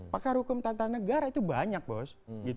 pakar hukum tantanegara itu banyak bos